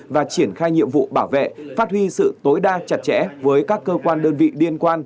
và triển khai nhiệm vụ bảo vệ phát huy sự tối đa chặt chẽ với các cơ quan đơn vị liên quan